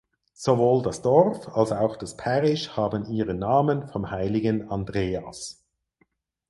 Sowohl das Dorf als auch das Parish haben ihren Namen vom Heiligen Andreas.